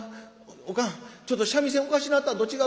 おかんちょっと三味線おかしなったんと違うか？